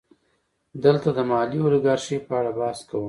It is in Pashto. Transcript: دلته د مالي الیګارشۍ په اړه بحث کوو